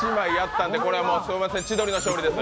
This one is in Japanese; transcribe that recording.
すみません、千鳥の勝利です。